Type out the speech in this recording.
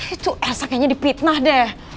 itu esa kayaknya dipitnah deh